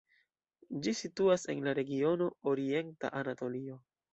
Ĝi situas en la regiono Orienta Anatolio.